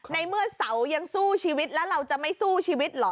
ในเมื่อเสายังสู้ชีวิตแล้วเราจะไม่สู้ชีวิตเหรอ